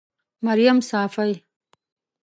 مريم صافۍ